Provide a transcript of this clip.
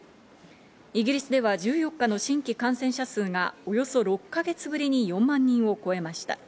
イギリスでは１４日の新規感染者数がおよそ６か月ぶりに４万人を超えました。